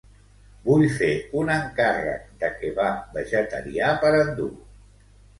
Vull fer un encàrrec de kebab vegetarià per endur.